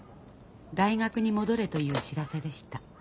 大学に戻れという知らせでした。